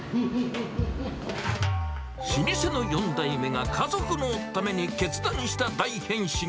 老舗の４代目が家族のために決断した大変身。